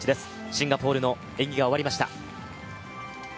シンガポールの演技が終わりました。